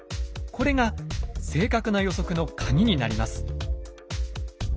これが正確な予測のカギになります。